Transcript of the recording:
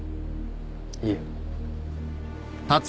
いえ